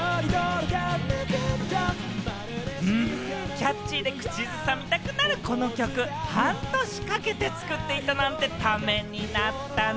キャッチーで口ずさみたくなるこの曲、半年かけて作っていたなんて、ためになったね。